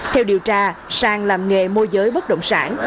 theo điều tra sang làm nghề môi giới bất động sản